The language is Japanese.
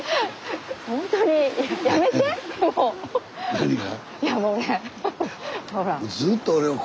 何が？